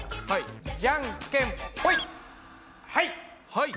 はい！